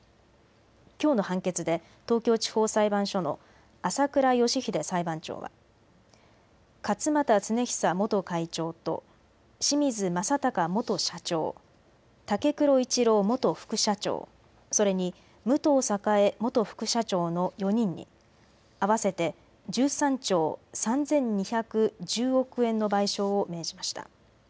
きょうの判決で東京地方裁判所の朝倉佳秀裁判長は勝俣恒久元会長と清水正孝元社長、武黒一郎元副社長、それに武藤栄元副社長の４人に合わせて１３兆３２１０億円の賠償を命じました。